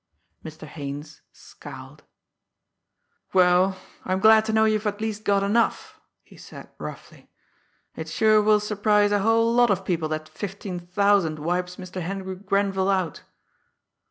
Mr. Haines scowled. "Well, I'm glad to know you've at least got enough!" he said roughly. "It sure will surprise a whole lot of people that fifteen thousand wipes Mr. Henry Grenville out!"